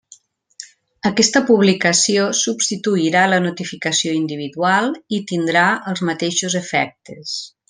Aquesta publicació substituirà la notificació individual i tindrà els mateixos efectes.